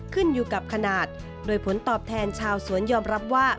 ขึ้นอยู่กับขนาดโดยผลตอบแทนชาวสวนยอมรับว่า